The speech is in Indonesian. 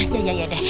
ya ya ya deh